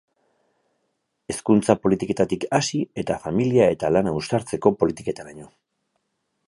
Hezkuntza politiketatik hasi eta familia eta lana uztartzeko politiketaraino.